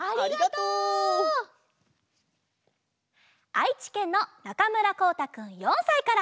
あいちけんのなかむらこうたくん４さいから。